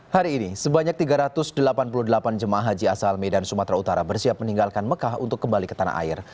hari ini sebanyak tiga ratus delapan puluh delapan jemaah haji asal medan sumatera utara bersiap meninggalkan mekah untuk kembali ke tanah air